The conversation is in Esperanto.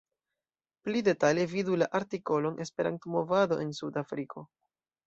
Pli detale vidu la artikolon "Esperanto-movado en Sud-Afriko".